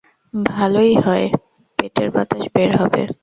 ভালোই হয়, পেটের বাতাস বের হবে!